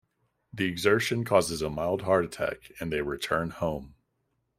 The exertion causes a mild heart attack and they return home.